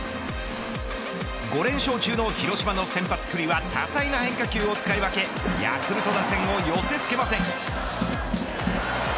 ５連勝中の広島の先発、九里は多彩な変化球を使い分けヤクルト打線を寄せつけません。